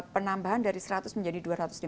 penambahan dari seratus menjadi dua ratus lima puluh